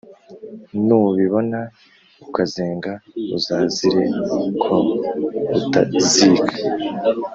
Nubibona ukazenga Uzazire ko utazika ?